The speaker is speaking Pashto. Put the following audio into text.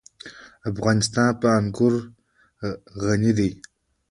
افغانستان په انګور غني دی.